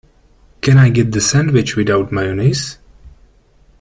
Can I get the sandwich without mayonnaise?